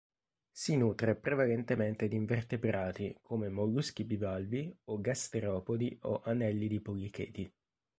Si nutre prevalentemente di invertebrati come molluschi bivalvi e gasteropodi o anellidi policheti.